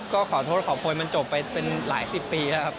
ก็ขอโทษขอโพยมันจบไปเป็นหลายสิบปีแล้วครับ